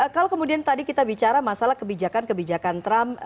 kalau kemudian tadi kita bicara masalah kebijakan kebijakan trump